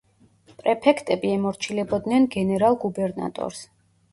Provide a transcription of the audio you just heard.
პრეფექტები ემორჩილებოდნენ გენერალ-გუბერნატორს.